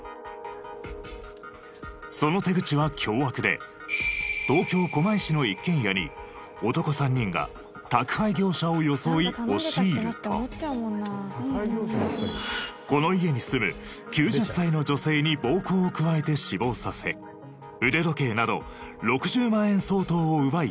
その手口は凶悪で東京狛江市の一軒家にこの家に住む９０歳の女性に暴行を加えて死亡させ腕時計など６０万円相当を奪い逃走。